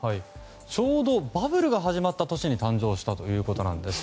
ちょうどバブルが始まった年に誕生したということです。